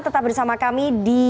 tetap bersama kami di